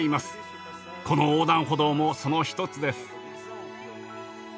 この横断歩道もその一つです。